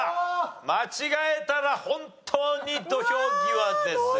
間違えたら本当に土俵際です。